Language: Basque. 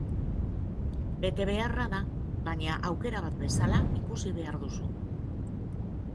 Betebeharra da, baina aukera bat bezala ikusi behar duzu.